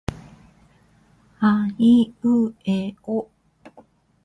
あいうえあ